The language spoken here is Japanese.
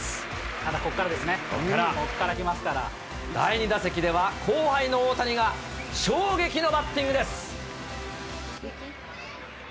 ただ、ここからですね、第２打席では、後輩の大谷が衝撃のバッティングです。